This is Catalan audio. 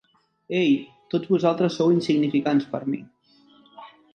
Ei, tots vosaltres sou insignificants per a mi.